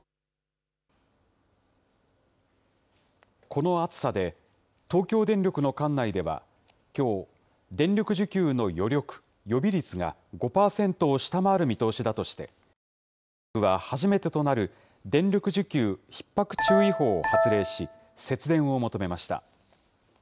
この暑さで、東京電力の管内では、きょう、電力需給の余力、予備率が５％を下回る見通しだとして、政府は初めてとなる電力需給ひっ迫注意報を発令し、節電を求めました。